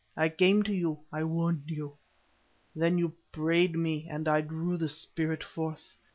—I came to you, I warned you. Then you prayed me and I drew the Spirit forth.